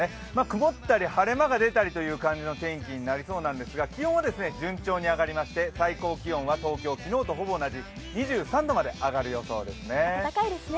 曇ったり晴れ間が出たりという感じの天気になりそうなんですが気温は順調に上がりまして、最高気温は東京、昨日とほぼ同じ、２３度まで上がる予想ですね。